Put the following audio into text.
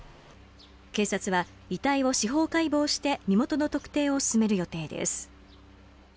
警察は遺体を司法解剖して身元の特定を進める予定です